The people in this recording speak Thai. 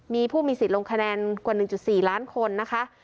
มีผู้มีสิทธิ์ลงคะแนนกว่า๑๔ล้านคนนะคะ